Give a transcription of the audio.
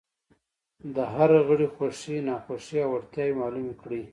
د هر غړي خوښې، ناخوښې او وړتیاوې معلومې کړئ.